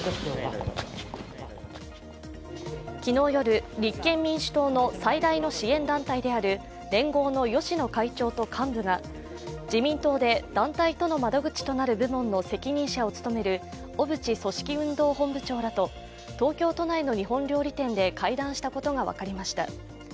昨日夜、立憲民主党の最大の支援団体である連合の芳野会長と幹部が自民党で団体との窓口となる部門の責任者を務める小渕組織運動本部長らと東京都内の日本料理店で会談したことが分かりました。